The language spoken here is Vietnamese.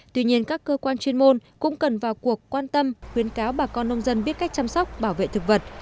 tuy nhiên các cơ quan chuyên môn cũng cần vào cuộc quan tâm khuyến cáo bà con nông dân biết cách chăm sóc bảo vệ thực vật